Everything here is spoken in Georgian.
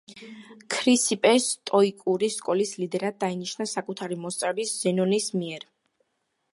ქრისიპე სტოიკური სკოლის ლიდერად დაინიშნა საკუთარი მოსწავლის, ზენონის მიერ.